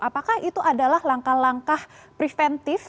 apakah itu adalah langkah langkah preventif